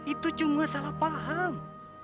itu cuma salah paham